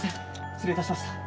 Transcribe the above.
失礼いたしました。